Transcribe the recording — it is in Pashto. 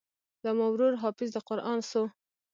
زما ورور حافظ د قران سو.